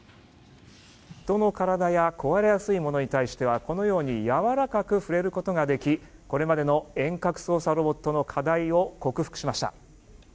人の体や壊れやすいものに対してはこのようにやわらかく触れることができこれまでの遠隔操作ロボットの課題を克服しました。